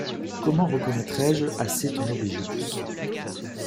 Comment reconnaitrai-je assez ton obligeance?